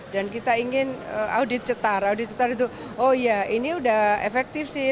dan kita ingin audit cetar audit cetar itu oh iya ini sudah efektif sih